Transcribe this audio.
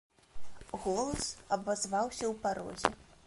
Голас абазваўся ў парозе.